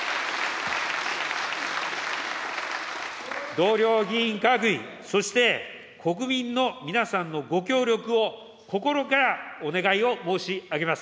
同僚議員各位、そして、国民の皆さんのご協力を心からお願いを申し上げます。